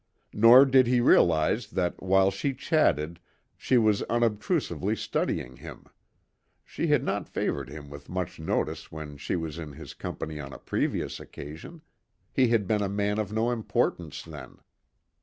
Nor did he realise that while she chatted, she was unobtrusively studying him; She had not favoured him with much notice when she was in his company on a previous occasion; he had been a man of no importance then.